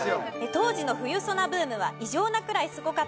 当時の『冬ソナ』ブームは異常なくらいすごかった。